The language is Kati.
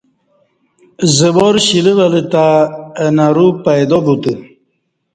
زوار شیلہ ولہ تہ اہ نرو پیدا بوتہ